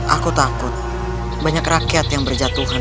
aku takut banyak rakyat yang berjatuhan